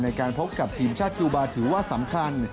ในการพบกับทีมชาติคิวบาร์ถือว่าสำคัญ